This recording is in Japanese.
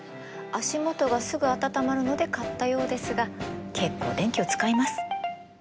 足元がすぐ暖まるので買ったようですが結構電気を使います。